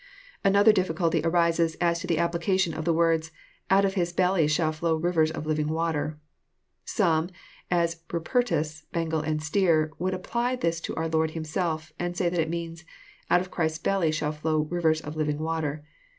Another difficulty arises as to the application of the words, " Out of his belly shall flow rivers of living water." Some, as Rupertus, Bengal, and Stier, would apply this to our Lord Him self, and say that it means, Out of Christ's belly shall flow rivers of living water."